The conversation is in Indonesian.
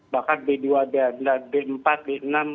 bahkan b dua dan b empat b lima